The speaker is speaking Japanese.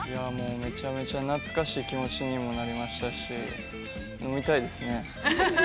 ◆めちゃめちゃ懐かしい気持ちにもなりましたし、飲みたいですね。